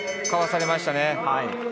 かわされましたね。